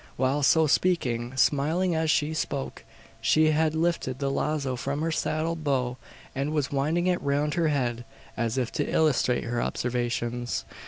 While so speaking smiling as she spoke she had lifted the lazo from her saddle bow and was winding it round her head, as if to illustrate her observations.